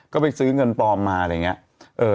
ก็ไปซื้อเงินปลอมมาอะไรอย่างนี้